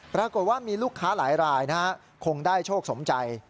ปรากฏว่ามีลูกค้าหลายรายคงได้โชคสมใจ